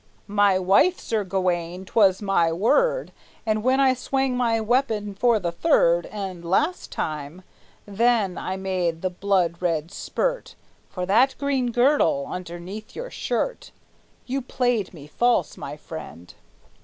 "My wife, Sir Gawayne; 't was my word; And when I swung my weapon for the third And last time, then I made the red blood spirt For that green girdle underneath your shirt! You played me false, my friend!"